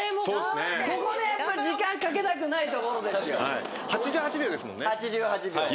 ここでやっぱり時間かけたくないところですよ。